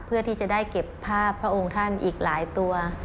เพื่อที่จะได้เก็บภาพพระองค์ท่านอีกหลายตัว